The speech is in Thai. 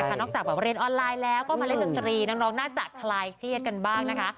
ถ้าคุณสามารถมาเรียนออนไลน์แล้วก็มาเล่นดอกจรีน้องน่าจะพลายเครียดกันบ้างนะคะ